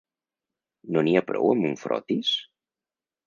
No n'hi ha prou amb un frotis?